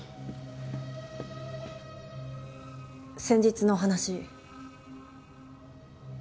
先日のお話。